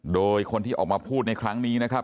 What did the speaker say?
โดยคนที่ออกมาพูดในครั้งนี้นะครับ